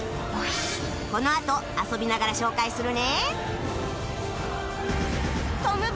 このあと遊びながら紹介するね